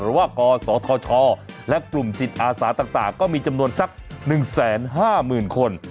ว่ากศธชและกลุ่มจิตอาสาต่างก็มีจำนวนสัก๑๕๐๐๐คน